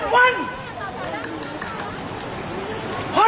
ทุกวัน